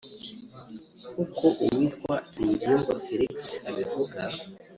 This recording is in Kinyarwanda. nk’uko uwitwa Nsengiyumva Felix abivuga